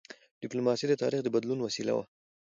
ډيپلوماسي د تاریخ د بدلون وسیله وه.